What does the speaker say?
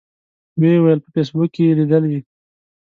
و یې ویل په فیسبوک کې یې لیدلي.